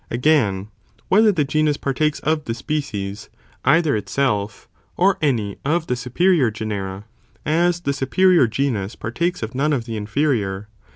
Again, whether the genus partakes of the species, either itself, or any of the superior genera, as the superior (genus) partakes of none of the inferior.